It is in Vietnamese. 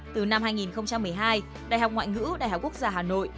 từ năm hai nghìn một mươi hai đại học ngoại ngữ đại học quốc gia hà nội